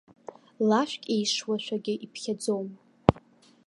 Лажәк еишуашәагьы иԥхьаӡом.